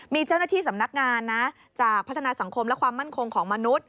มีเจ้าหน้าที่สำนักงานนะจากพัฒนาสังคมและความมั่นคงของมนุษย